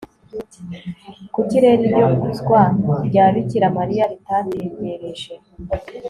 kuki rero iryo kuzwa rya bikira mariya ritategereje